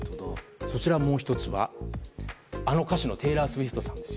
こちら、もう１つはあの歌手のテイラー・スウィフトさんです。